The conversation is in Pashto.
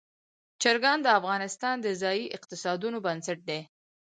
چرګان د افغانستان د ځایي اقتصادونو بنسټ دی.